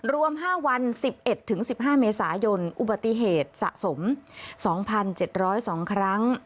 รวม๕วัน๑๑๑๕เมษายนอุบัติเหตุสะสม๒๗๐๒ครั้ง